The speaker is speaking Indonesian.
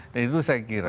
dan itu saya kira